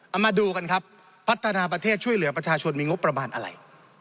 เอามาดูกันครับพัฒนาประเทศช่วยเหลือประชาชนมีงบประมาณอะไร